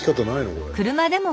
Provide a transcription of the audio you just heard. これ。